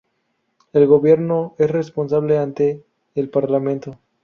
El Gobierno es responsable ante el Parlamento.